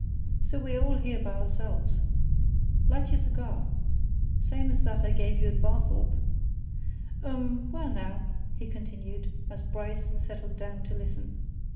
So we're all by ourselves. Light your cigar! same as that I gave you at Barthorpe. Um well, now," he continued, as Bryce settled down to listen.